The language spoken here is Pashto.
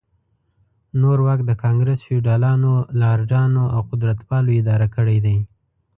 نور واک د ګانګرس فیوډالانو، لارډانو او قدرتپالو اداره کړی دی.